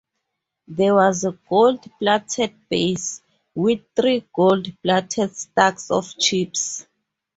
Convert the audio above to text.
There was a gold plated base with three gold-plated stacks of chips.